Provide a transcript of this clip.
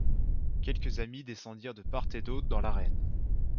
Quelques amis descendirent de part et d’autre dans l’arène.